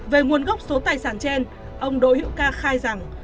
về nguồn gốc số tài sản trên ông đỗ hữu ca khai rằng